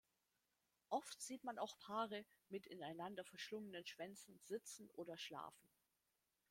Oft sieht man auch Paare, mit ineinander verschlungenen Schwänzen sitzen oder schlafen.